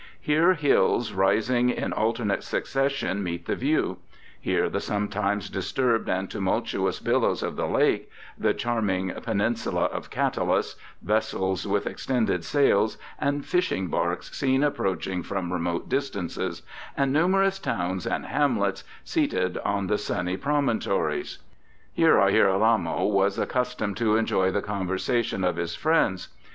Here hills rising in alternate succession meet the view; here the some times disturbed and tumultuous billows of the lake— the charming peninsula of Catullus; vessels with ex tended sails ; and fishing barks seen approaching from remote distances ; and numerous towns and hamlets seated on the sunny promontories. ... Here our Girolamo was accustomed to enjoy the conversation of his friends.